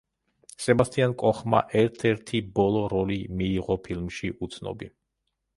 სებასტიან კოხმა ერთ-ერთი ბოლო როლი მიიღო ფილმში „უცნობი“.